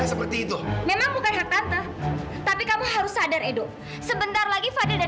sampai jumpa di video selanjutnya